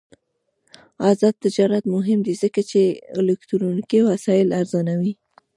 آزاد تجارت مهم دی ځکه چې الکترونیکي وسایل ارزانوي.